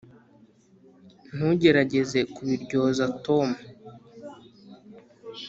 ntugerageze kubiryoza tom.